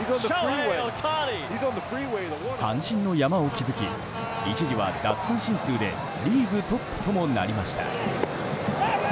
三振の山を築き一時は奪三振数でリーグトップともなりました。